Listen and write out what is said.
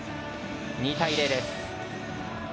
２対０です。